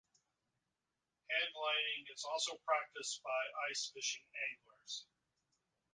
Handlining is also practiced by ice fishing anglers.